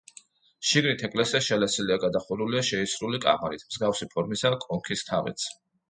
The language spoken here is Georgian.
შიგნით ეკლესია შელესილია, გადახურულია შეისრული კამარით, მსგავსი ფორმისაა კონქის თაღიც.